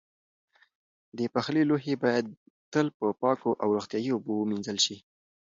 د پخلي لوښي باید تل په پاکو او روغتیایي اوبو ومینځل شي.